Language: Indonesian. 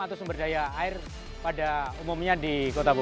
atau sumber daya air pada umumnya di kota bogor